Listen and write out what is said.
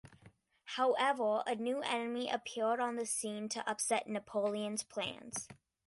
However, a new enemy appeared on the scene to upset Napoleon's plans.